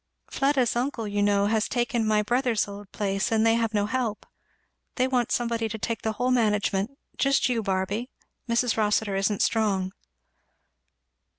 "Fleda's uncle, you know, has taken my brother's old place, and they have no help. They want somebody to take the whole management just you, Barby. Mrs. Rossitur isn't strong."